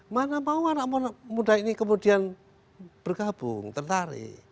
mana mau anak anak muda ini kemudian bergabung tertarik